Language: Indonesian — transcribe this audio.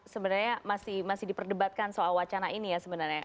sebenarnya masih diperdebatkan soal wacana ini ya sebenarnya